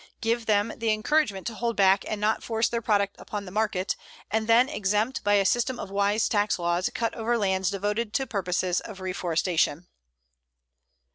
Give them the encouragement to hold back and not force their product upon the markets, and then exempt, by a system of wise tax laws, cut over lands devoted to purposes of reforestation.